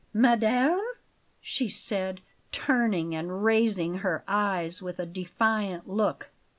"Madame?" she said, turning and raising her eyes with a defiant look.